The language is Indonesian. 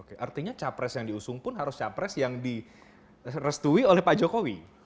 oke artinya capres yang diusung pun harus capres yang direstui oleh pak jokowi